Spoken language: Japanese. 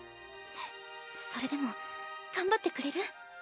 それでも頑張ってくれる？